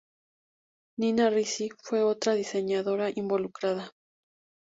Nina Ricci fue otra diseñadora involucrada.